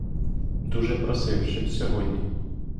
Дуже просив, щоб сьогодні.